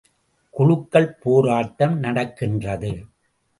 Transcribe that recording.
குழுக்கள் போராட்டம் நடக்கின்றது.